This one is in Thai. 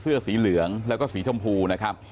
เสื้อสีเหลืองแล้วก็สีชมพูนะครับ